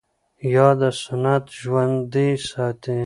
ياد سنت ژوندی ساتي